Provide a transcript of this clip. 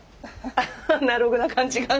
アナログな感じが。